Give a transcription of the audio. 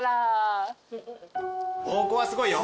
ここはすごいよ。